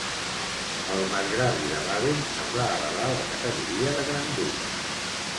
El marcgravi de Baden es va elevar a la categoria de Gran Duc.